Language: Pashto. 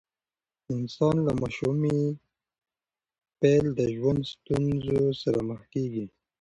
انسان له ماشومۍ پیل د ژوند ستونزو سره مخ کیږي.